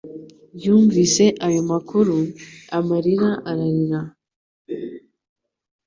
Yumvise ayo makuru, amarira ararira